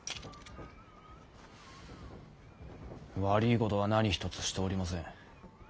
悪ぃことは何一つしておりません。